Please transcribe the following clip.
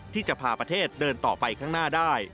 ที่จะพาประเทศเดินต่อไปข้างหน้าได้